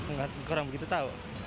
nggak kurang begitu tahu